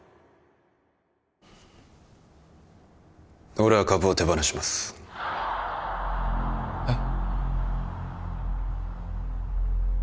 俺は株を手放しますえっ？